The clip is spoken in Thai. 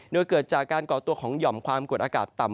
โดยเกิดจากการก่อตัวของหย่อมความกดอากาศต่ำ